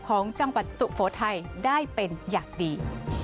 ของจังหวัดสุโขทัยได้เป็นอย่างดี